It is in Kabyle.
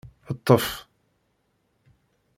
Ṭṭef!